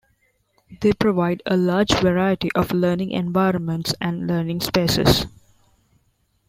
They provide a large variety of learning environments and learning spaces.